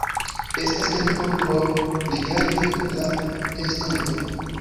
Estas tempo por rigardi al estonto.